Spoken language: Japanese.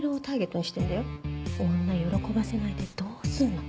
女喜ばせないでどうすんの。